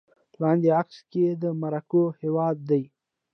لاندې عکس کې د مراکو هېواد دی